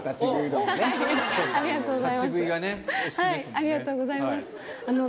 ありがとうございます。